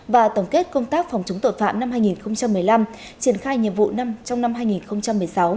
và tổng kết công tác phòng chống tội phạm năm hai nghìn một mươi năm triển khai nhiệm vụ năm trong năm hai nghìn một mươi sáu